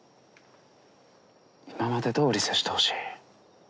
今までどおり接してほしい。